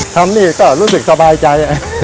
ทำนี่ก็รู้สึกสบายใจ